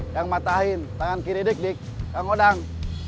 yang matahin tangan kiri dik dik yang ngodang